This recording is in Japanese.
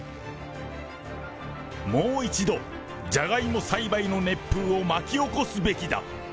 もう一度、ジャガイモ栽培の熱風を巻き起こすべきだ。